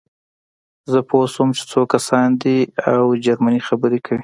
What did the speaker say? زه پوه شوم چې څو کسان دي او جرمني خبرې کوي